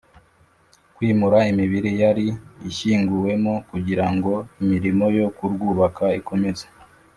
kwimura imibiri yari ishyinguyemo kugira ngo imirimo yo kurwubaka ikomeze